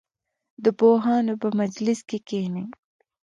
د پوهانو په مجلس کې کښېنئ.